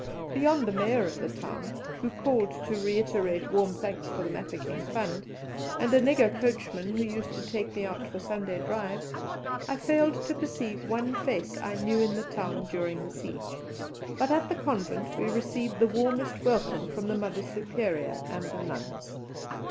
Beyond the Mayor of the town, who called to reiterate warm thanks for the Mafeking Fund, and a nigger coachman who used to take me out for Sunday drives, I failed to perceive one face I knew in the town during the siege; but at the convent we received the warmest welcome from the Mother Superior and the nuns.